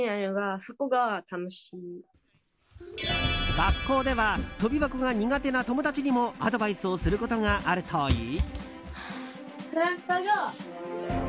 学校では跳び箱が苦手な友達にもアドバイスをすることがあるといい。